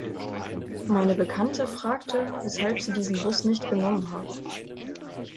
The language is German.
Meine Bekannte fragte, weshalb sie diesen Bus nicht genommen habe.